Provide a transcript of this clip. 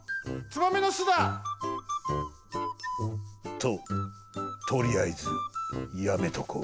ととりあえずやめとこう。